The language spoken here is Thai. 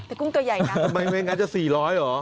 ไม่งั้นจะ๔๐๐บาทเหรอ